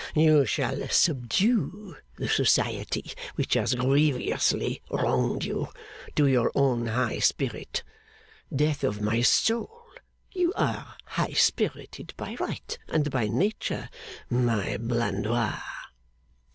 You shall subdue the society which has grievously wronged you, to your own high spirit. Death of my soul! You are high spirited by right and by nature, my Blandois!